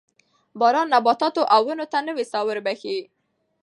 باران نباتاتو او ونو ته نوې ساه وربخښي